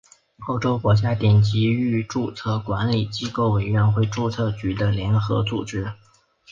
欧洲国家顶级域注册管理机构委员会注册局的联合组织。